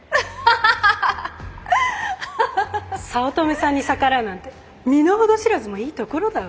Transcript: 早乙女さんに逆らうなんて身の程知らずもいいところだわ。